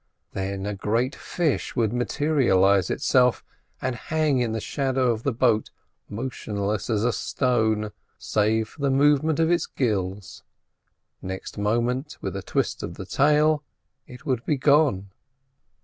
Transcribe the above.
Then a great fish would materialise itself and hang in the shadow of the boat motionless as a stone, save for the movement of its gills; next moment with a twist of the tail it would be gone.